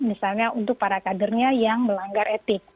misalnya untuk para kadernya yang melanggar etik